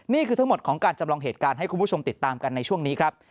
นี่คือทั้งหมดของการจำลองเหตุการณ์ให้คุณผู้ชมติดตามกันในช่วงนี้ครับ